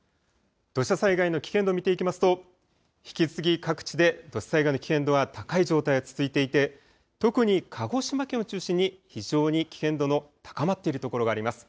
土砂災害の危険度、見ていきますと引き続き各地で土砂災害の危険度は高い状態が続いていて特に鹿児島県を中心に非常に危険度の高まっている所があります。